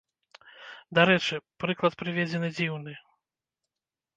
Дарэчы, прыклад прыведзены дзіўны.